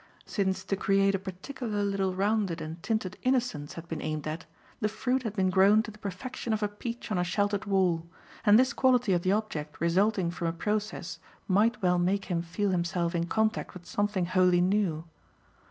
Since to create a particular little rounded and tinted innocence had been aimed at, the fruit had been grown to the perfection of a peach on a sheltered wall, and this quality of the object resulting from a process might well make him feel himself in contact with something wholly new.